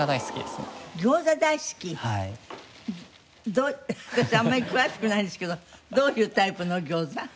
どう私あんまり詳しくないんですけどどういうタイプの餃子？